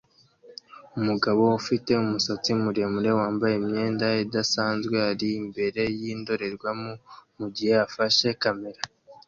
Umugabo ufite umusatsi muremure wambaye imyenda idasanzwe ari imbere yindorerwamo mugihe afashe kamera